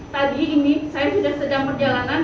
tadi ini saya sudah sedang perjalanan